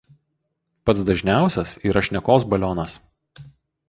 Pats dažniausias yra šnekos balionas.